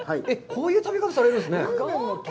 こういう食べ方されるんですね。